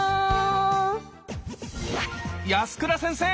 安倉先生！